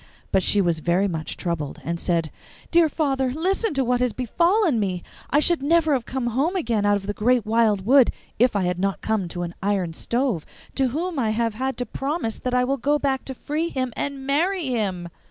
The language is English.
But she was very much troubled, and said, 'Dear father, listen to what has befallen me! I should never have come home again out of the great wild wood if I had not come to an iron stove, to whom I have had to promise that I will go back to free him and marry him!